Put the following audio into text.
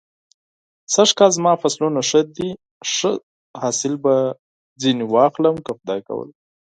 سږ کال زما فصلونه ښه دی. ښه حاصل به ترې واخلم که خدای کول.